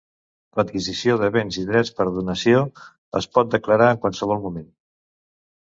L'adquisició de béns i drets per donació es pot declarar en qualsevol moment.